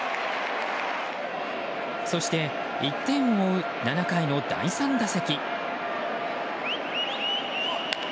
そして、１点を追う７回の第３打席。